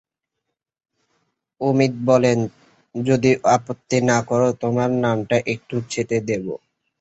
অমিত বললে, যদি আপত্তি না কর তোমার নামটা একটু ছেঁটে দেব।